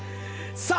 さあ！